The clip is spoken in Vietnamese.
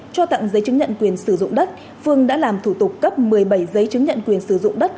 cho tặng giấy chứng nhận quyền sử dụng đất phương đã làm thủ tục cấp một mươi bảy giấy chứng nhận quyền sử dụng đất